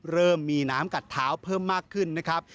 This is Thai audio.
เริ่มมีน้ำกัดเท้าเพิ่มมากขึ้นนะครับ